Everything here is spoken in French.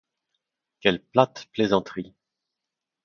Quelle plate plaisanterie !